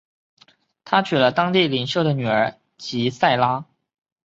他娶了当地领袖的女儿吉塞拉。